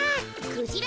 クジラ？